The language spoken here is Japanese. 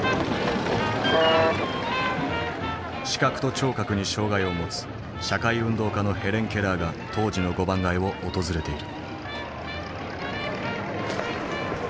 視覚と聴覚に障害をもつ社会運動家のヘレン・ケラーが当時の五番街を訪れている。